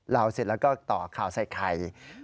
เราเสร็จแล้วก็ต่อข่าวไซคัย